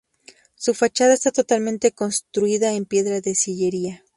Su fachada está totalmente construida en piedra de sillería.